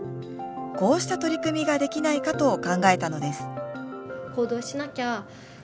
こうした取り組みができないかと考えたのです。